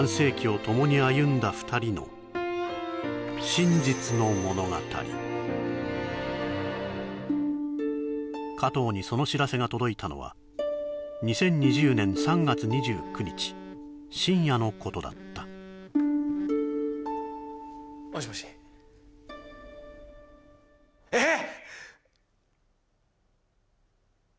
これはの加藤にその知らせが届いたのは２０２０年３月２９日深夜のことだったもしもしえっ！？